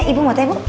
ibu mau teh bu